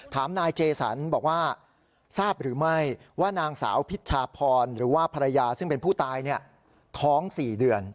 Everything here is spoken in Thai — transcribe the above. ถามนายเจสันบอกว่าทราบหรือไม่ว่านางสาวพิชชาพรหรือว่าภรรยาซึ่งเป็นผู้ตายท้อง๔เดือน